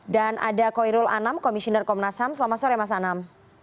dan ada koirul anam komisioner komnas ham selamat sore mas anam